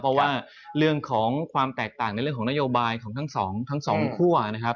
เพราะว่าเรื่องของความแตกต่างในเรื่องของนโยบายของทั้งสองทั้งสองคั่วนะครับ